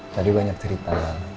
tadi banyak cerita